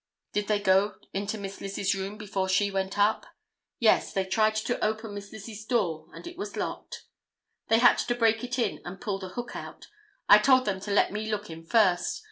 "Did they go into Miss Lizzie's room before she went up?" "Yes; they tried to open Miss Lizzie's door and it was locked. They had to break it in and pull the hook out. I told them to let me look in first.